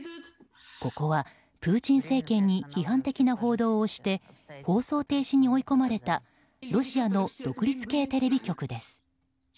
ここは、プーチン政権に批判的な報道をして放送停止に追い込まれたロシアの独立系テレビ局です。